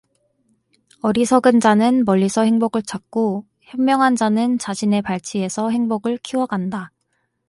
어리석은 자는 멀리서 행복을 찾고, 현명한 자는 자신의 발치에서 행복을 키워간다.